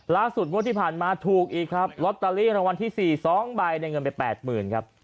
งวดที่ผ่านมาถูกอีกครับลอตเตอรี่รางวัลที่๔๒ใบในเงินไป๘๐๐๐ครับ